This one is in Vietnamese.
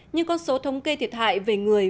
nhưng con số thống kê thiệt hại về người